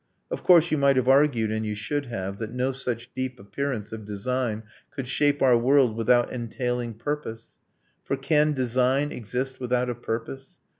Of course, you might have argued, and you should have, That no such deep appearance of design Could shape our world without entailing purpose: For can design exist without a purpose?